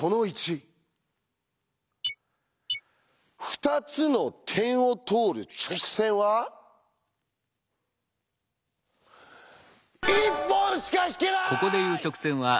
「２つの点を通る直線は１本しか引けない」！